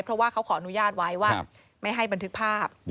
เพราะว่าเขาขออนุญาตไว้ว่าไม่ให้บันทึกภาพ